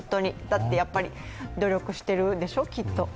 だって、やっぱり努力しているでしょ、きっと。